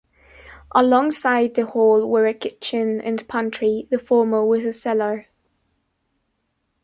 Alongside the hall were a kitchen and pantry, the former with a cellar.